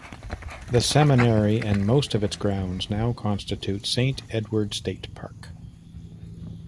The seminary and most of its grounds now constitute Saint Edward State Park.